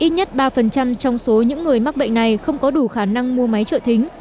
ít nhất ba trong số những người mắc bệnh này không có đủ khả năng mua máy trợ thính